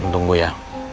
tunggu gue ya